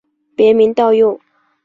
别名道佑。